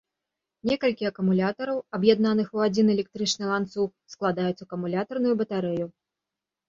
Некалькі акумулятараў, аб'яднаных у адзін электрычны ланцуг, складаюць акумулятарную батарэю.